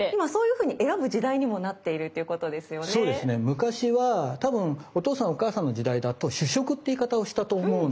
昔は多分お父さんお母さんの時代だと主食って言い方をしたと思うんですよ。